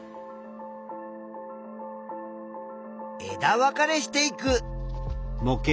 枝分かれしていく。